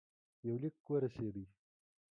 یو لیک ورسېدی.